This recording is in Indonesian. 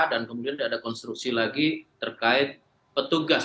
dan kemudian ada konstruksi lagi terkait petugas